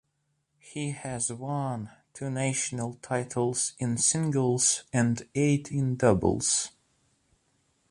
He has won two national titles in singles and eight in doubles.